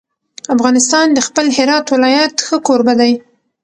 افغانستان د خپل هرات ولایت ښه کوربه دی.